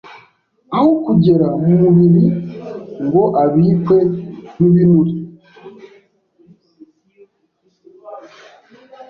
aho kugera mu mubiri ngo abikwe nk’ibinure